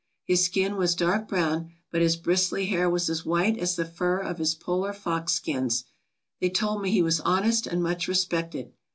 His skin was dark brown, but his bristly hair was as white as the fur of his polar fox skins. They told me he was honest and much respected.